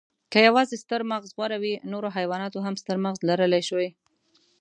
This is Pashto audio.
که یواځې ستر مغز غوره وی، نورو حیواناتو هم ستر مغز لرلی شوی.